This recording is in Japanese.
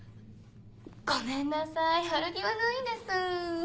ごめんなさい悪気はないんです。